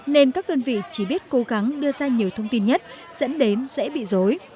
nên các đơn vị chỉ biết cố gắng đưa ra nhiều thông tin nhất dẫn đến dễ bị dối